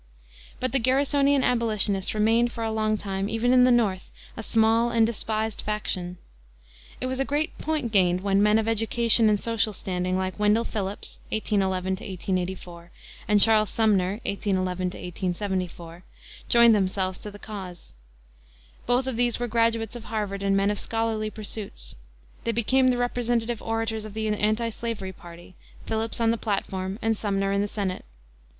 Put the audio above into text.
But the Garrisonian abolitionists remained for a long time, even in the North, a small and despised faction. It was a great point gained when men of education and social standing like Wendell Phillips (1811 1884), and Charles Sumner (1811 1874), joined themselves to the cause. Both of these were graduates of Harvard and men of scholarly pursuits. They became the representative orators of the antislavery party, Phillips on the platform and Sumner in the Senate.